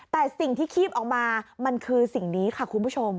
แต่สิ่งที่คีบออกมามันคือสิ่งนี้ค่ะคุณผู้ชม